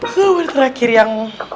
soal yang terakhir yang